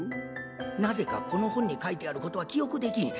なぜかこの本に書いてあることは記憶できん。